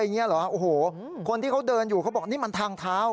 อย่างนี้เหรอโอ้โหคนที่เขาเดินอยู่เขาบอกนี่มันทางเท้า